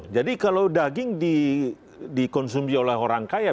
jadi kalau daging dikonsumsi oleh orang kaya